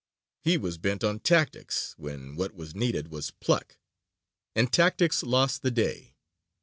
He was bent on tactics, when what was needed was pluck; and tactics lost the day.